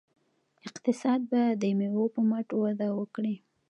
اقتصاد به د میوو په مټ وده وکړي.